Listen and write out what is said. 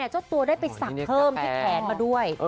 เจ้าตัวได้ไปสักเพิ่มที่แขนมาด้วย